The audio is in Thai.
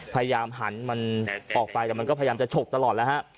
พยายามหันมันออกไปแต่มันก็พยายามจะฉกตลอดแล้วฮะ